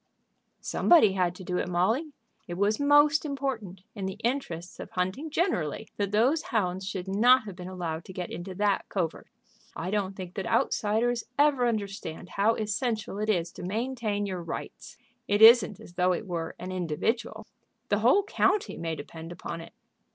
"Somebody had to do it, Molly. It was most important, in the interests of hunting generally, that those hounds should not have been allowed to get into that covert. I don't think that outsiders ever understand how essential it is to maintain your rights. It isn't as though it were an individual. The whole county may depend upon it."